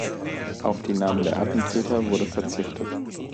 Auf die Namen der Attentäter wurde verzichtet.